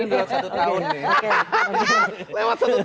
di sini lewat satu tahun nih